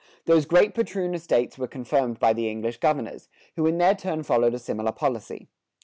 These great patroon estates were confirmed by the English governors, who in their turn followed a similar policy.